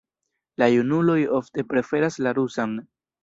La junuloj ofte preferas la rusan.